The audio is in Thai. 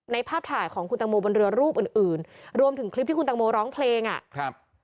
ภาพถ่ายของคุณตังโมบนเรือรูปอื่นอื่นรวมถึงคลิปที่คุณตังโมร้องเพลงอ่ะครับ